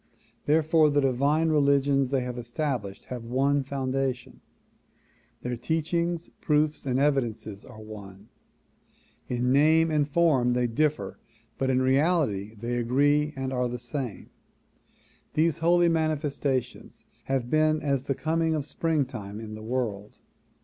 Therefore the divine religions they established have one foundation; their teachings, proofs and evi 146 THE PROMULGATION OF UNIVERSAL PEACE dences are one; in name and form they differ but in reality they agree and are the same. These holy manifestations have been as the coming of springtime in the world.